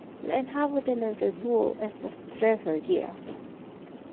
La enhavo de la revuo estas tre varia.